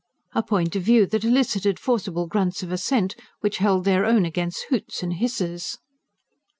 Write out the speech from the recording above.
a point of view that elicited forcible grunts of assent, which held their own against hoots and hisses.